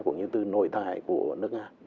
cũng như từ nội thải của nước nga